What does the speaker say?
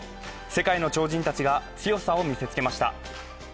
世界の超人たちが強さを見せつけました。